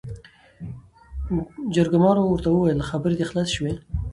جرګمارو ورته وويل خبرې دې خلاصې شوې ؟